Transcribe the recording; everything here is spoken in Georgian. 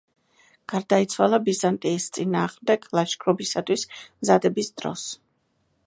გარდაიცვალა ბიზანტიის წინააღმდეგ ლაშქრობისათვის მზადების დროს.